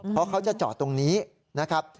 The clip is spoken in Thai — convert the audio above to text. เพราะเขาจะจอดตรงนี้นะครับ